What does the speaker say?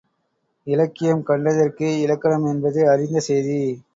இலக்கியம் கண்டதற்கே இலக்கணம் என்பது அறிந்த செய்தி.